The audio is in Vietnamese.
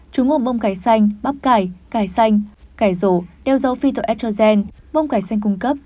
chúng gồm bông cải xanh bắp cải cải xanh cải rổ đeo dấu phytoestrogen bông cải xanh cung cấp